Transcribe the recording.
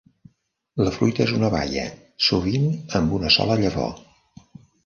La fruita és una baia, sovint amb una sola llavor.